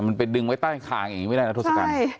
มันไปดึงไว้ใต้คางอย่างนี้ไม่ได้นะทศกัณฐ์